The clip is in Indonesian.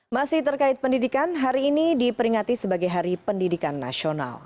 masih terkait pendidikan hari ini diperingati sebagai hari pendidikan nasional